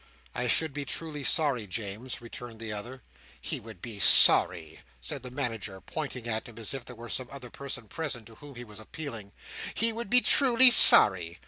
"I should be truly sorry, James," returned the other. "He would be sorry!" said the Manager, pointing at him, as if there were some other person present to whom he was appealing. "He would be truly sorry!